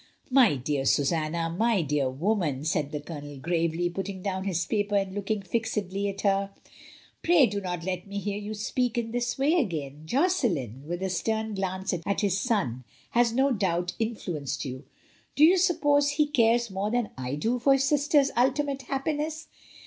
"My dear Susanna, my dear woman," said the JOSSELIN'S STEPMOTEIER. 233 Colonel gravely, putting down his paper and looking fixedly at her, "pray do not let me hear you speak in this way again. Josselin," with a stern glance at his son, "has no doubt influenced you. Do you suppose he cares more than I do for his sister's ultimate happiness?